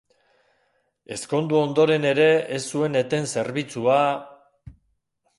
Ezkondu ondoren ere ez zuen eten zerbitzua...